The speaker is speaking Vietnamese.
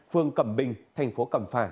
phường cẩm bình thành phố cẩm phả